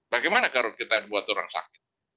bagaimana kalau kita buat orang sakit